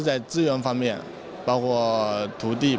di sisi sumber